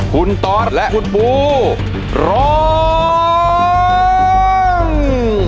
คุณตอสและคุณบูร้อง